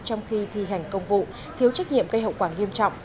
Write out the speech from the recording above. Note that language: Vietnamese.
trong khi thi hành công vụ thiếu trách nhiệm gây hậu quả nghiêm trọng